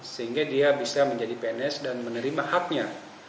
sehingga dia bisa menjadi pns dan menerima haknya